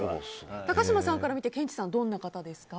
高嶋さんから見てケンチさんはどんな方ですか？